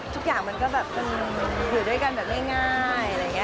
ทุกอย่างมันก็แบบอยู่ด้วยกันแบบไม่ง่าย